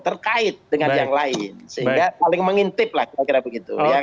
terkait dengan yang lain sehingga paling mengintip lah kira kira begitu